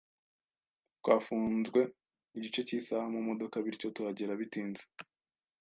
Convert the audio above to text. Twafunzwe igice cy'isaha mu modoka bityo tuhagera bitinze.